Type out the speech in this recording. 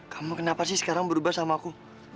kamu kenapa sih sekarang berubah sama aku